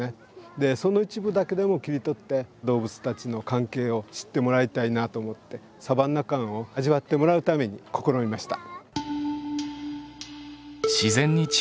でその一部だけでも切り取って動物たちの関係を知ってもらいたいなと思ってサバンナ感を味わってもらうために試みました。